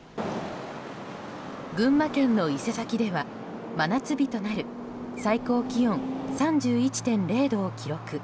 群馬県の伊勢崎では真夏日となる最高気温３１．０度を記録。